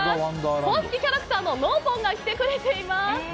公式キャラクターののうポンが来てくれてます。